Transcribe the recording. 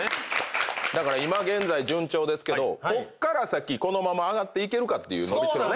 だから今現在順調ですけどこっから先このまま上がっていけるかっていうのびしろね。